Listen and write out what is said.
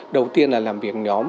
đầu tiên là làm việc nhóm